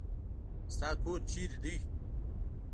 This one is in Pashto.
ستا کور چيري دی.